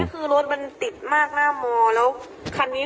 งี้ได้ด้วยเหรออ๋อโทรแซมตรวจอ่ะอ๋อทำไมเป็นคนแบบนี้